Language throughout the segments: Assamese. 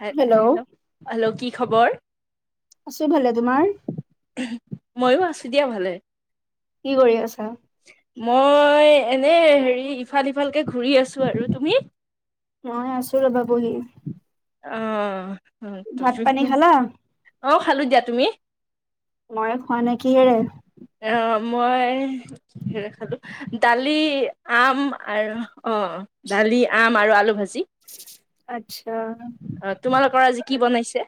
হ হেল্ল' হেল্ল', কি খবৰ? আছো। ভালে তোমাৰ? ময়ো আছো দিয়া ভালে। কি কৰি আছা? মই এনে হেৰি ইফাল সিফালকে ঘূৰি আছো আৰু। তুমি? মই আছো ৰ'বা বহি। অ ভাত পানী খালা অ খালো দিয়া। তুমি? মই খোৱা নেকি হেৰে মই কি খালোঁ! দালি, আম আৰু অ দালি আম আৰু আলু ভাজি। আচ্ছা অ তোমালোকৰ আজি কি বনাইছে?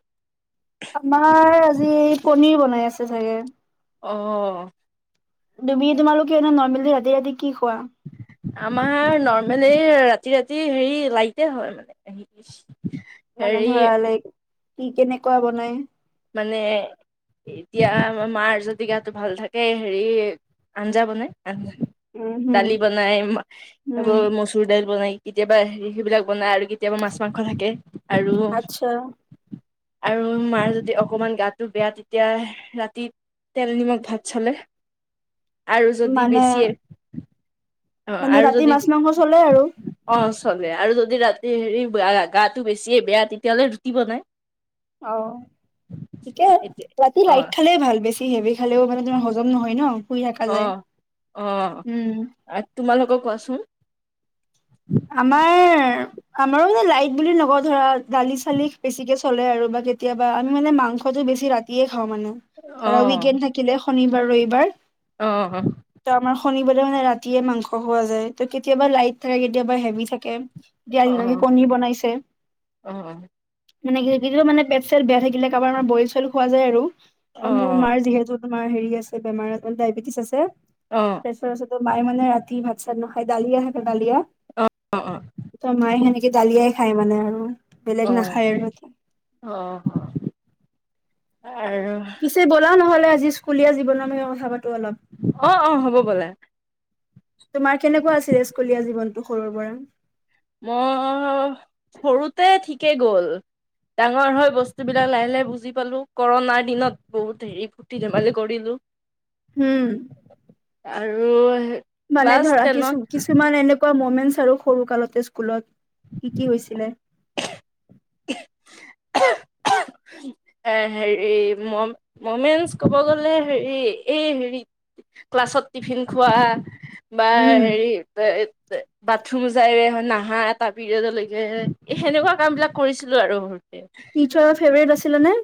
আমাৰ আজি পনীৰ বনাই আছে চাগে অ। তুমি তোমালোকে এ নৰ্মেলি ৰাতি ৰাতি কি খোৱা? আমাৰ নৰ্মেল এই ৰাতি ৰাতি হেৰি লাইতে হয় মানে মানে হেৰি ধৰা লাইক কি কেনেকুৱা বনাই? মানে এতিয়া আমাৰ মাৰ যদি গাটো ভাল থাকে হেৰি আঞ্জা বনাই। উম হম ডালি বনাই, উম মচুৰ দাইালি বনাই, কেতিয়াবা হেৰি সেইবিলাক বনাই আৰু কেতিয়াবা মাছ মাংস থাকে আৰু আচ্ছা আৰু মাৰ অকমান গাটো বেয়া তেতিয়া ৰাতি তেল- নিমখ ভাত চলে আৰু যদি মানে বেছিয়ে অ মানে আৰু ৰাতি যদি মাছ মাংস চলে আৰু অ চলে আৰু যদি ৰাতি হেৰি গাটো বেছিয়ে বেয়া তেতিয়াহ'লে ৰুটি বনাই অ ঠিকে সেইটোৱে ৰাতি অ লাইট খালে ভাল বেছি হেবি খালেও মানে তোমাৰ হজম নহয় ন শুই থাকা অ যায় উম অ তোমালোকক কোৱাচোন? আমাৰ আমাৰো মানে লাইট বুলি নকওঁ ধৰা দালি চালি বেছিকে চলে আৰু বা কেতিয়াবা আমি মানে মাংস মাংস বছি ৰাতিয়ে মানে অ ধ উইকেণ্ড থাকিলে শনিবাৰ ৰবিবাৰ অ আমাৰ শনি মানে ৰাতিয়ে মাংস খোৱা যায় ত কেতিয়াবা লাইট থাকে কেতিয়াবা হেভি থাকে এতিয়া অ কিজানি কণী বনাইছে অ অ মানে কি কিতিয়াও মানে পেট চট বেয়া থাকিলে কাৰোবাৰ আমাৰ বইল চইল খোৱা যায় আৰু মোৰ অ মাৰ যিহেতু, তোমাৰ হেৰি আছে বেমাৰ ডায়েবেটিছ আছে অ', প্ৰেছাৰ আছে মায়ে মানে ৰাতি ভাত চাট নেখাই ডালিয়া থাকে ডালিয়া অ', অ', তই মায়ে সেনেকে দালিয়াই খায় মানে আৰু। বেলেগ অ', নাখায় আৰু অ', আৰু পিছে বলা নহ'লে আজি স্কুলীয়া জিবন লৈ কথা পাতো। অলপ। অ অ হ'ব বলে তোমাৰ কেনেকুৱা আছিলজ কলীয়া জীৱনটো সৰুৰ পৰা মই সৰুতে ঠিকেই গ'ল ডাঙৰ হয় বস্তু বিলাক লাহে লাহে বুজি পালো কৰণাৰ দিনত বহুত হেৰি ফূৰ্তি ধেমালি কৰিলো হম আৰু মানে ক্লাছ ধৰা কিছু টেনত কিছুমান এনেকুৱা মমি ইন চাৰো সৰু কালতে স্কুলত কি কি হৈছিলে এ হেৰি ম মমেনচ ক'ব গ'লে হেৰি এই হেৰিত ক্লাছত টিফিন খোৱা বা উম, হেৰি বাত থুম যাই নাহা এটা পিৰিয়ডলৈকে সেনেকুৱা কাম বিলাক কৰিছিলো আৰু টিচাৰৰ ফেভৰেট আছিলা নে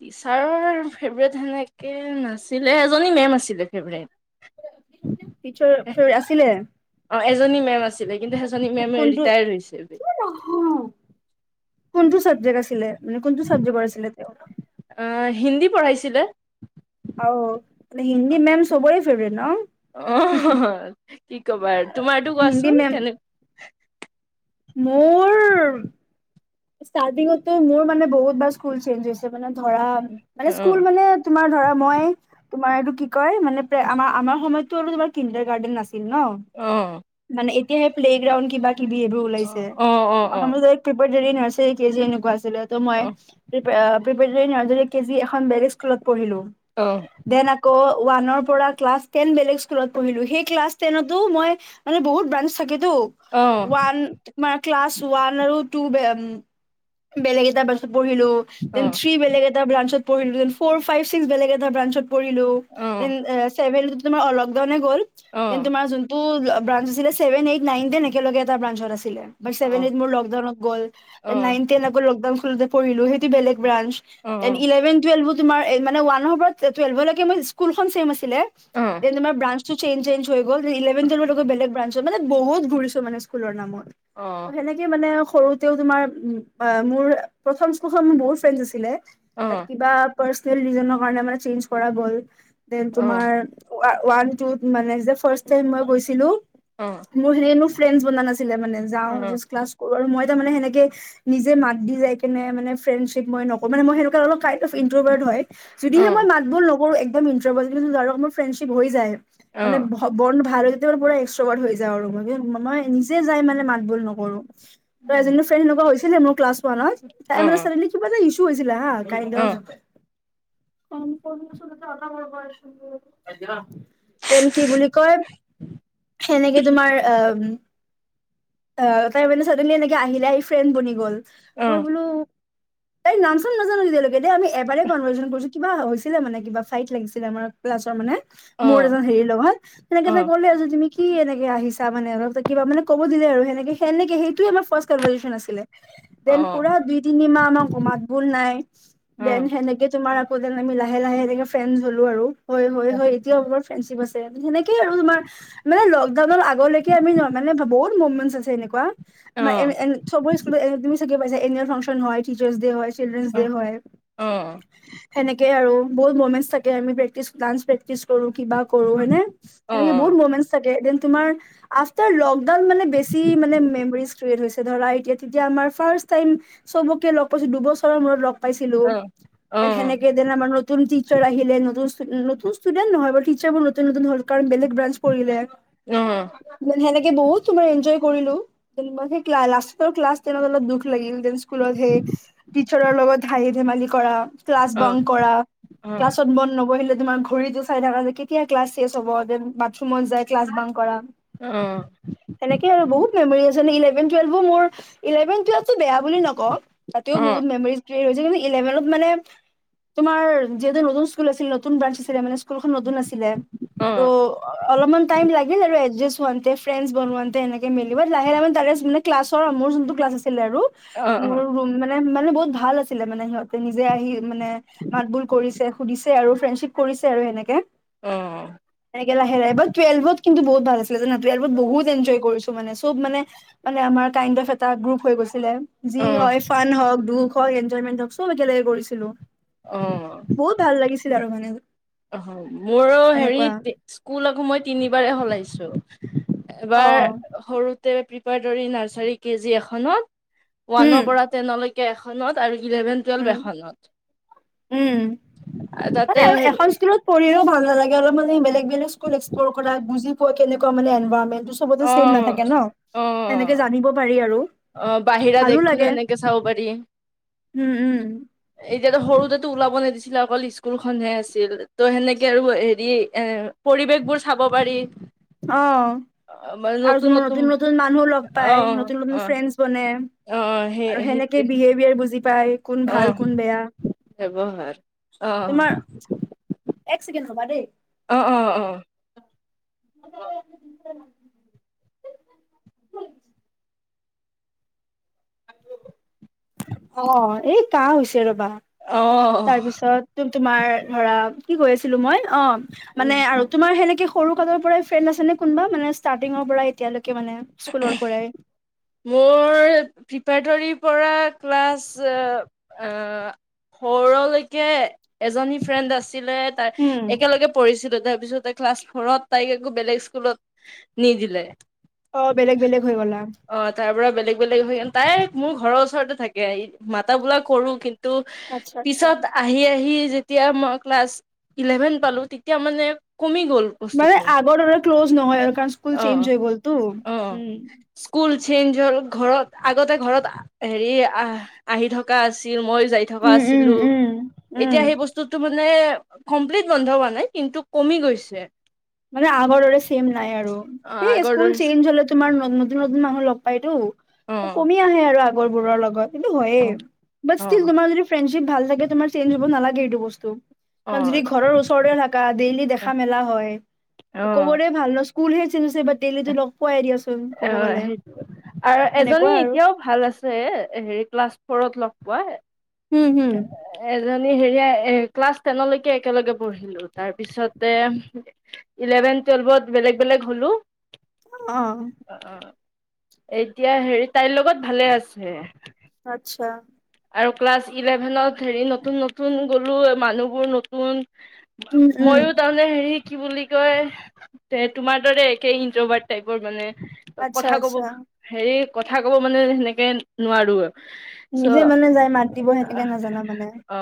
টিচাৰৰ ফেভৰেট সেনেকে নাছিলে এজনী মেম আছিলে ফেভৰেট টিচাৰ টিচা আছিলে অ এজনী মেম আছিলে কিন্তু সেইজনী মেম কোনটো ৰিটায়াৰড হৈছে জি কোনটো চাবজেক্ট আছিলে মানে কোনটো চাবজেক্টৰ আছিলে তেওঁ অ হিন্দী পঢ়াইছিলে চবে ন অহ কি কবা তোমাৰতো হিন্দী কোৱাচোন মেম কেনেক মোৰ [unintelligible] ষ্টাৰ্টিঙতো মোৰ মানে বহুত বাৰ স্কুল চেঞ্জ হৈছে মানে ধৰা অ মানে স্কুল মানে তোমাৰ ধৰা মই তোমাৰ এইটো কি কয় মানে প্ৰ আমাৰ আমাৰ সময়তো আৰু তোমাৰ কিণ্ডাৰ গাৰ্ডেন নাছিল ন অ মানে এ এতিয়াহে প্লেগ্ৰাউণ্ড কিবা কিবি এইবোৰ অ ওলাইছে অ আমা অ অনুজাই কিপাজাই নাৰ্চাৰী কেজি এনেকুৱা আ দি ত মই অ প্ৰিপাৰা প্ৰিপাজাৰি নাৰ্চাৰী কেজি এখন বেলেগ স্কুলত পঢ়িলো অ দেন আকৌ ওৱানৰ পৰা ক্লাছ টেন বেলেগ স্কুলত পঢ়িলো সেই ক্লাছ টেনতো মই মানে বহুত ব্ৰাঞ্চ চাকে টু অ অ ওৱান তোমাৰ ক্লাছ ওৱান আৰু টু বে বেলেগ এটা ব্ৰাঞ্চত পঢ়িলো দেন থ্ৰী বেলেগ এটা ব্ৰাঞ্চত পৰিলো এন ফৰ ফাইভ চিস্ক বেলেগ এটা বাঞ্চত পৰিলো অ দেন চেভেন উঠোতে মই লক ডাউনে হল দেন তোমাৰ যোনটো বাঞ্চ আছিলে ছেভেন এইট নাইন টেন একেলগে এটা ব্ৰাঞ্চত আছিলে অ অ অ অ ছেভেন এইট মোৰ লকডাউনত গ'ল নাইন টেন আকৌ লকডাউন খোলোতে পৰিলো বেলেগ ব্ৰানঞ্চ অ অ তেন ইলেভেন টুৱেলভ তোমাৰ এ মানে ওৱানৰ পৰা টুৱেলভ লেকে মই স্কুলখন ছেম আছিল ছিলে তে তোমাৰ ব্ৰাঞ্চটো চেঞ্জ চেঞ্জ হৈ ইলেভেন টুৱেলভ লেকে বেলেগ ব্ৰাঞ্চৰ মানে বহুত ঘুৰিছো মানে স্কুলৰ নামত অ অ ত সেনেকে মানে সৰুতেও তোমাৰ মোৰ প্ৰথম স্কুলখন বহুত ফ্ৰেণ্ডচ্ আছিল অ অ অ কিবা পাৰ্চেনেল ৰিজনৰ কাৰণে চেঞ্জ কৰা গল দেন তোমাৰ আ ওৱান টু ত মানে যে ফাৰ্ষ্ট টাইম মই গৈছিলো অ মোৰ সে মোৰ ফ্ৰেণ্ডচ্ বনা নাছিল ছিলে মানে যাওঁ জাষ্ট ক্লাছ কৰো আৰু মই তাৰ মানে সেনেকে নিজে মাত দি যাই কেনে মানে ফ্ৰেডশ্বিপ মই নকৰো মানে মই সেকুৱা অলপ টাইপ ই হয় অ অ অ অ যদিহে মই মাত বোৰ নকৰো একদম ইন্টাৰবল কিন্তু মোৰ ফ্ৰেডশ্বিপ হৈ যায় মানে ভ বন ভাল তেতিয়াৰ পৰা এক্স্ৰ হৈ যাওঁ আৰু ম মই নিজে যাই মানে মাত বোল নকৰো ত এজনী ফ্ৰেণ্ড এনেকুৱা হৈছিলে মোৰ ক্লাছ ৱানত তাই মানে ছোৱালীজনীৰ কিবা এটা ইছ্যু হৈছিলে হা কাই লৈ থলে দেন কি বুলি কয় সেনেকে তোমাৰ এহ অ তাই মানে চডেনলি এনেকে আহিলে আহি ফ্ৰেণ্ড বনি গ'ল মই বোলো তাই নাম চাম নাজানো তেতিয়ালৈকে দেই আমি এবাৰে কনভাৰেচন কৰিছো কিবা হৈছিলে মানে কিবা ফাইট লাগিছিলে মানে ক্লাছৰ মানে মোৰ এজন হেৰি লগত তেনেকে তাই কলে আজি তুমি কি এনেকে আহিছা মানে ল ত কিবা মানে কব দিলে আৰু সেনেকে সেনেকে সেইটোৱে আমাৰ ফাৰ্ষ্ট কনভাৰেচন আছিলে অ অ দেন পুৰা দুই তিনি মাহ আমাক মাত বোল নাই অ দেন সেনেকে তোমাৰ কৌ দেন আমি লাহে লাহে এনেকে ফেনচ্ হলো আৰু হৈ হৈ হৈ এতিয়াও অ ফেনশ্বিপ আছে সেনেকে আৰু তোমাৰ মানে লকডাউনৰ আগলৈকে আমি য মানে বহুত অমেচ্ আছে এনেকুৱা আমাৰ এ এ চবৰ স্কু তুমি চাগে পাইছা এনোৱেল ফাংশন হয় টিচাৰছ ডে হয় চিলড্ৰেনছ ডে হয় সেনেকে আৰু বহুত মমেচ থাকে আমি প্ৰেকটিছ ডানেট প্ৰেকটিছ প্ৰেক্টিচ কৰোঁ, কিবা কৰোঁ হয়নে এনেকে বহুত মমেনচ থাকে ডেন তোমাৰ আফটাৰ লডাউন মানে বেছি মানে মেমৰিজ ক্ৰেট হৈছে ধৰা এতিয়া তেতিয়া আমাৰ ফাৰ্ষ্ট টাইম চবকে লগ পাইছো দুবছৰ মূৰত লগ পাইছিলো তেন সেনেকে ডেন আমাৰ নতুন টিচাৰ আহিলে নতুন নতুন ষ্টুডেট নহয় বা টিচাৰ বোৰ নতুন নতুন হ'ল কাৰণ বেলেগ বাঞ্চ পৰিলে সেনেকে বহুত তোমাৰ এনজয় কৰিলো, ডেন সিমান হে লাষ্টত ক্লাছ টেইনত অলপ দুখ লাগিল ডেন স্কুলতহে টিচাৰৰ লগত হাঁহি-ধেমালি কৰা ক্লাছ বাং কৰা ক্লাছত মন নবহিলে তোমাৰ ঘড়ীতো চাই থকা যে কেতিয়া ক্লাছ চেচ হ'ব দেন বাথৰুমত যায় ক্লাছ বাং কৰা সেনেকে আৰু বহুত মেমৰি আছে ইলেভেন টুৱেলভো মোৰ ইলেভেন টেৱেলভ কিন্তু বেয়া বুলি নকওঁ তাতেও বহুত মেমৰিজ ৰ্কিয়েট হৈছে কিন্তু ইলেভন মানে তোমাৰ যিহেতু নতুন স্কুল আছিল নতুন ব্ৰাঞ্চ আছিলে মানে স্কুলখন নতুন আছিলে ত অলপমান চাইড লাগিল আৰু একজাচ একজাচ হওতে ফ্ৰেচ বনাওতে এনেকে মেলিব লাহে লাহে তাৰে মই ক্লাছৰ মোৰ যোনটো ক্লাছ আছে আছিল আৰু মোৰ [unintelligible] মানে মানে বহুত ভাল আছিলে মানে সিহঁতে নিজে আহি মানে মাত বোল কৰিছে সুধিছে আৰু ফ্ৰেডশ্বিপ কৰি কৰিছে আৰু এনেকে এনেকে লাহে লাহে বাট টোৱেলভত কিন্তু বহুত ভাল আছিলে জানা টোৱেলভত বহুত এনজয় কৰিছো মানে চব মানে মানে আমাৰ কাইড অফ এটা গ্ৰুপ হৈ গৈছিলে যি হয় ফান হওক দুখ দুখ হওক এনজয়মেন্ট হওক চব একেলগে কৰিছিলো অ বহুত ভাল লাগিছিল আৰু মানে অ', মোৰো হেৰি এনেকুৱা। স্কুল আকৌ মই তিনিবাৰে সলাইছো এবাৰ অ', সৰুতে প্ৰিপাৰডৰি, নাৰ্চাৰী, কে জি এখনত উম, ওৱানৰ পৰা টেইনলৈকে এখনত আৰু ইলেভেন টুৱেলভ উম, এখনত, উম। মানে তাতে আৰু হে [unintelligible] ভাল নালাগে অলপমান বেলেগ বেলেগ স্কুলত এক্সপ্লৰ কৰা বুজি পোৱা কেনেকুৱা মানে এনভাৰনমেট চবতো অ চেম নাথাকে ন অ সেনেকে জানিব পাৰি আৰু অ বাহিৰা ভালো দেশখনো লাগে এনেকে চাব পাৰি উম-উম এতিয়াতো সৰুতেো ওলাব নিদিছিলে অকল স্কুলখনহে আছিল ত' সেনেকে আৰু হেৰি এ পৰিৱেশবোৰ চাব পাৰি। অ', আৰু তোমাৰ নতুন নতুন মানুহ লগ অ পাই নতুন অ নতুন ফ্ৰেড অ সেই আৰু সেনেকে সেইটোৱে বিহেভিয়াৰ বুজি পাই কোন অ ভাল কোন বেয়া ব্যৱহাৰ অ তোমাৰ এক ছেকেণ্ড ৰবা দেই অ', - অ', -অ', [unintelligible] অ', এই কাহ হৈছে ৰবা অ তাৰপিছত তুমি তোমাৰ ধৰা কি কৈ আছিলো মই অ', উ মানে আৰু তোমাৰ সেনেকে সৰু কালৰ পৰাই ফ্ৰেণ্ড আছেনে কোনোবা মানে ষ্টাৰ্টিঙৰ পৰাই এতিয়ালৈকে মানে স্কুলৰ পৰাই। মোৰ প্ৰিপাৰেটৰীৰ পৰা ক্লাছ অ', - অ', ফৰলৈকে এজনী ফ্ৰেণ্ড আছিলে তাৰ উম। একেলগে পঢ়িছিলো তাৰ তাৰপিছতে ক্লাছ ফৰত তাইক একো বেলেগ স্কুলত নিদিলে অ', বেলেগ-বেলেগ অ', তাৰ পৰা বেলেগ-বেলেগ হৈ তাই মোৰ ঘৰৰ ওচৰতে থাকে ম [unintelligible] কৰো কিন্তু আচ্ছা আচ্ছা পিছত আহি-আহি যেতিয়া মই ক্লাছ ইলেভেন পালো তেতিয়া মানে কমি গ'ল মানে বস্তুটো আগৰ দৰে ক্ল'জ নহয় আৰু কাৰণ স্কুল চেঞ্জ অ', হৈ গ'লতো - অ', উম স্কুল চেঞ্জ হ'ল ঘৰত আগতে ঘৰত হে আহি থকা আছিল মই যাই থকা উম উম আছিলো, উম উম এতিয়া সেই বতটো মানে মানে কমপ্লিট বন্ধ হোৱা নাই কিন্তু কমি গৈছে। মানে আগৰৰে চেম নাই আৰু অ সেই আগৰ স্কুল দৰে চেঞ্জ হলে তোমাৰ নতুন মানুহ লগ অ পাইতো কমি আহে আৰু আগৰ বোৰৰ লগত। সেইটো অ অ হয়য়ে মাৰ য ফ্ৰেডচিপ ভাল থাকে তোমাৰ চেঞ্জ হব নালাগে এইটো বস্তু। অ কাৰণ যদি ঘৰৰ ওচৰতে থাকী ডেইলি দেখা মেলা হয়। অ ক'বৰেই ভাল ন স্কুলহে চেজ হৈছে বাট দেইলিটো লগ পোৱাই দিয়া। অ' সেইটো আৰু এজনী সেনেকুৱা আৰু এতিয়াও ভাল আছে হেৰি ক্লাছ ফৰত পোৱা। উম হম। হেৰি স্কাছ টেনৰ লৈকে একেলগে পঢ়িছিলো তাৰপিছতে ইলেভেনট ভ টুৱেলভত বেলেগ বেলেগ হ'লো। অ'। এতিয়া হেৰি তাইৰ লগত ভালে আছে। আত্ছা। আৰু ক্লাছ ইলেভেনত হেৰি নতুন নতুন গ'লোঁ মানুহবোৰ নতুন। উম উম ময়ো তাৰমানে হেৰি কি বুলি কয় যে তোমাৰ দৰে একে ইনত্ৰবাদ টাইপৰ মানে। আচ্ছা কথা কব আচ্ছা হেৰি কথা কব মানে সেনেকে নোৱাৰো আৰু। নিজে মানে যাই মাতিব সেনেকে নাজানা মানে, অ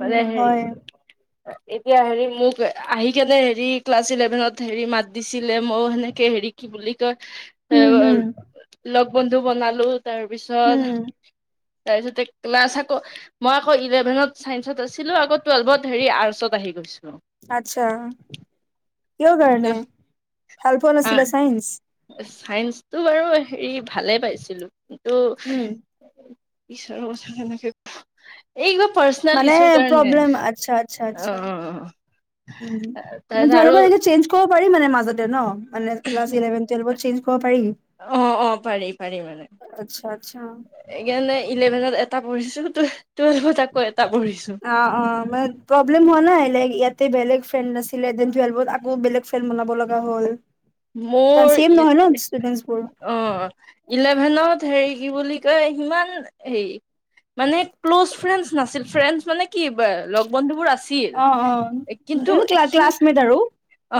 মানে উম হেৰি হয়। এতিয়া হেৰি মোক আহি কেনে হেৰি ক্লাছ ইলেভেনত হেৰি মাত দিছিলে মইয়ো সেনেকে হেৰি কি বুলি কয় উম হম এ লগ বন্ধু বনালো তাৰ উম পিছত তাৰপিছতে ক্লাছ আকৌ মই আকৌ ইলেভেনত চাইন্সত আছিলো আকৌ টুৱেল্ভত হেৰি আৰ্চত আহি গৈছো। আত্ছা, কিয় কাৰণে ভাল পোৱা আছিলে চাইন্স? চাইন্সটো বাৰু হেৰি ভালে পাইছিলো কিন্ত উম ঈশ্বৰৰ কথা কেনেকে এইবাৰ মানে প্ৰব্লেম, আচ্ছা আচ্ছা অ আচ্ছা। উ মান তাৰপিছত আৰু তোমালোকৰ এনে চেঞ্জ কৰিব পাৰি মানে মাজতে ন? মানে ক্লাছ ইলেভেন টুৱেলভত চেঞ্জ কৰিব পাৰি। অ অ' পাৰি পাৰি মানে, আচ্ছা আচ্ছা সেইকাৰণে ইলেভেনত এটা পঢ়িছো টুৱেলভত আকৌ এটা পঢ়িছো। অ' অ' প প্ৰব্লেম হোৱা নাই লাইক ইয়াতে বেলেগ ফ্ৰড নাছিলে দেন টোৱেলভত আকৌ বেলেগ ফ্ৰণ্ড বনাব লগা হ'ল। মোৰ, চেম নহয় ন ষ্টুডেন্টচবোৰ অ' ইলেভেনত হেৰি কি বুলি কয় সিমান হেৰি, মানে ক্ল'জ ফ্ৰেণ্ড নাছিল ফ্ৰেণ্ড মানে কি লগ বন্ধু বোৰ আছিল, অ অ কিন্তু মানে ক্লা সি ক্লাছমেট আৰু অ,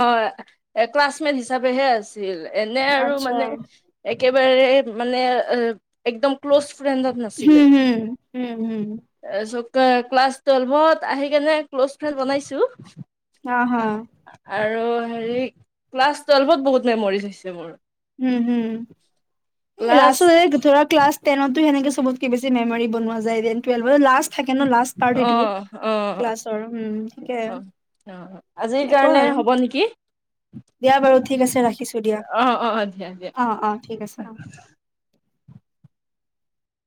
ক্লাছমেট হিচাপেহে আছিল এনে আৰু আচ্ছা মানে একেবাৰে মানে একদম ক্লজ ুডণ্টত নাছিলে, হুম হুম হুম হুম তাৰ ক্লাছ টুৱেল্ভত আহি কেনে ক্ল'জ ফ্ৰেণ্ড বনাইছো। আহ হা। আৰু হেৰি ক্লাছ টুৱেল্ভত বহুত মেমৰিজ হৈছে মোৰ। উম হম, এই লা ক্লাছ ধৰা ক্লাছ টেনটো সেনেকে চবতকে বেছি মেমৰিজ বনোৱা যায়। েলভ লা থাকে ন লাষ্টাৰটো, অ', অ', অ ক্লাছৰ িকে অ অ আজিৰ কাৰণে হব নেকি? দিয়া বাৰু ঠিক আছে ৰাখিছোঁ দিয়া। অ' অ' ঠিক আছে অ'।